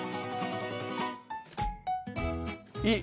いい！